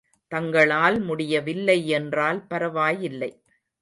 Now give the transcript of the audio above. தங்களால் முடியவில்லை என்றால் பரவாயில்லை.